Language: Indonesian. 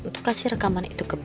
untuk kasih rekaman itu ke